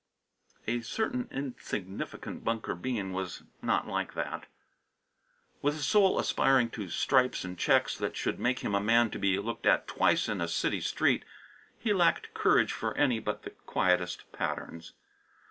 A certain insignificant Bunker Bean was not like this. With a soul aspiring to stripes and checks that should make him a man to be looked at twice in a city street, he lacked courage for any but the quietest patterns.